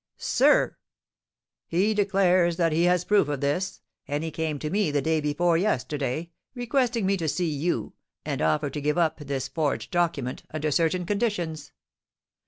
"Sir!" "He declares that he has proof of this; and he came to me the day before yesterday, requesting me to see you, and offer to give up this forged document, under certain conditions.